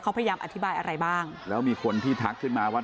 เขาพยายามอธิบายอะไรบ้างแล้วมีคนที่ทักขึ้นมาว่า